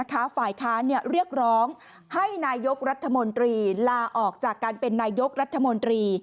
ฝ่ายค้านเรียกร้องให้นายกรัฐมนตรีลาออกจากการเป็นนายกรัฐมนตรี